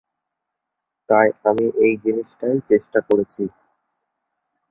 তাই আমি এই জিনিসটাই চেষ্টা করেছি।